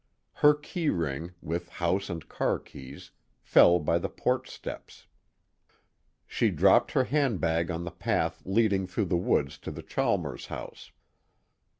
Her key ring, with house and car keys, fell by the porch steps. She dropped her handbag on the path leading through the woods to the Chalmers house.